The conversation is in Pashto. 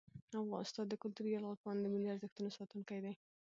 استاد د کلتوري یرغل په وړاندې د ملي ارزښتونو ساتونکی دی.